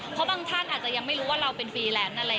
เพราะบางท่านอาจจะยังไม่รู้ว่าเราเป็นฟรีแลนซ์อะไร